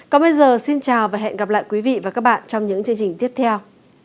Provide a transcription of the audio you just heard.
còn bây giờ xin chào và hẹn gặp lại quý vị và các bạn trong những chương trình tiếp theo